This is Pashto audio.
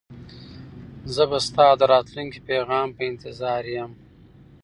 زه به ستا د راتلونکي پیغام په انتظار یم.